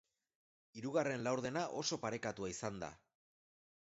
Hirugarren laurdena oso parekatua izan da.